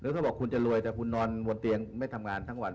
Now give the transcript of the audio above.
เขาบอกคุณจะรวยแต่คุณนอนบนเตียงไม่ทำงานทั้งวัน